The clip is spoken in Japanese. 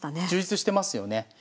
充実してますよね。